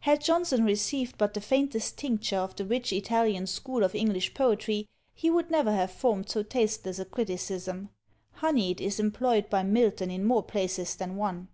Had Johnson received but the faintest tincture of the rich Italian school of English poetry, he would never have formed so tasteless a criticism. Honied is employed by Milton in more places than one.